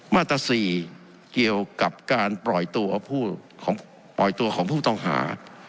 มาตร๔เกี่ยวกับการปล่อยตัวผู้ปล่อยตัวของผู้ต้องหา